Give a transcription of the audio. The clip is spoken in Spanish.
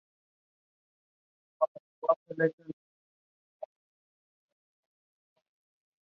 Finalmente, esta reforma no se llevó a cabo.